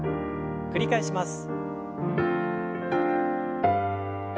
繰り返します。